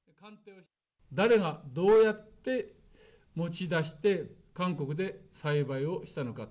誰がどうやって持ち出して、韓国で栽培をしたのか。